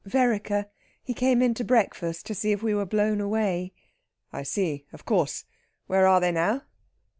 "Vereker. He came in to breakfast; to see if we were blown away." "I see. Of course. Where are they now?"